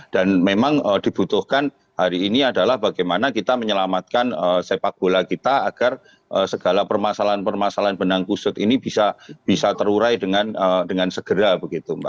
dan memang dibutuhkan hari ini adalah bagaimana kita menyelamatkan sepak bola kita agar segala permasalahan permasalahan benang kusut ini bisa terurai dengan segera begitu mbak